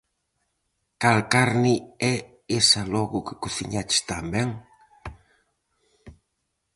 Cal carne é esa logo que cociñades tan ben?